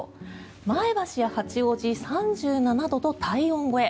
前橋や八王子、３７度と体温超え。